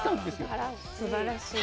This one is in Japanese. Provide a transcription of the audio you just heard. あすばらしい。